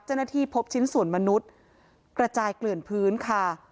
เจ้าหน้าที่พบชิ้นส่วนมนุษย์กระจายเกลื่อนพื้นค่ะ